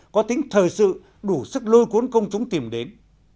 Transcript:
có tính thời sự đủ sức lôi cuốn công chúng tìm đến